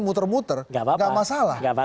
muter muter nggak masalah